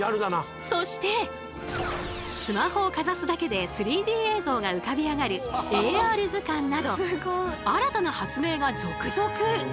そしてスマホをかざすだけで３Ｄ映像が浮かび上がるＡＲ図鑑など新たな発明が続々！